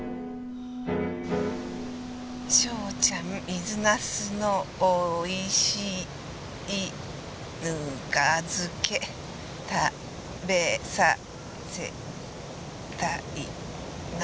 章ちゃん水ナスの美味しいぬか漬け食べさせたいな。